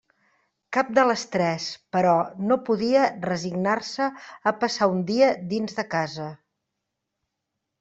Cap de les tres, però, no podia resignar-se a passar un dia dins de casa.